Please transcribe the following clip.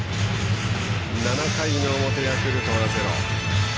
７回の表、ヤクルトはゼロ。